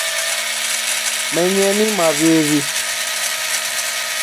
Menyeni mawiwi